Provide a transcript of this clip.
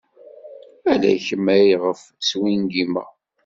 Ala kemm ayɣef swingimeɣ.